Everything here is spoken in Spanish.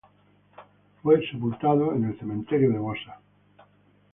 Fue sepultado en el cementerio de Bosa.